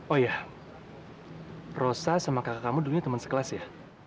oh iya rosa sama kakak kamu dulunya teman sekelas ya